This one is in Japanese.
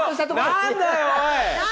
何だよおい！